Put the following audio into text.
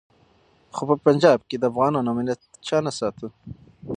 خو په پنجاب کي د افغانانو امنیت چا نه ساته.